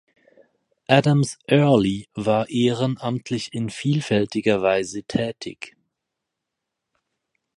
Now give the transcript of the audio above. Adams Earley war ehrenamtlich in vielfältiger Weise tätig.